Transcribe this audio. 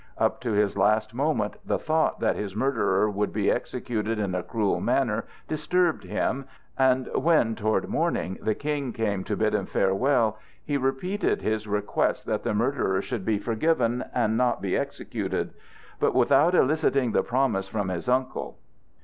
Up to his last moment the thought that his murderer would be executed in a cruel manner disturbed him, and when toward morning the King came to bid him farewell, he repeated his request that the murderer should be forgiven and not be executed; but without eliciting the promise from his uncle.